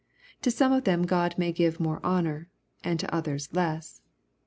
To some of them God may give more honor, and to othe rs less.